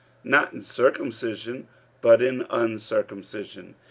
Not in circumcision, but in uncircumcision.